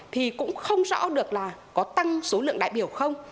thì cũng không rõ được là có tăng số lượng đại biểu không